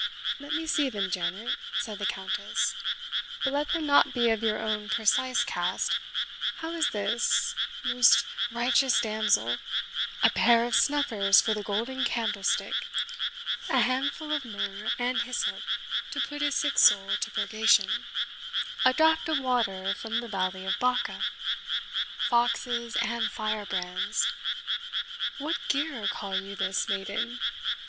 "Let me see them, Janet," said the Countess; "but let them not be of your own precise cast, How is this, most righteous damsel? 'A PAIR OF SNUFFERS FOR THE GOLDEN CANDLESTICK' 'HANDFULL OF MYRRH AND HYSSOP TO PUT A SICK SOUL TO PURGATION' 'A DRAUGHT OF WATER FROM THE VALLEY OF BACA' 'FOXES AND FIREBRANDS' what gear call you this, maiden?"